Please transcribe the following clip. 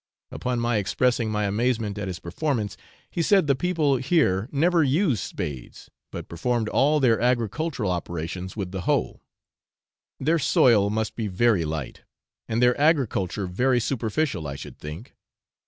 Upon my expressing my amazement at his performance, he said the people here never used spades, but performed all their agricultural operations with the hoe. Their soil must be very light and their agriculture very superficial, I should think.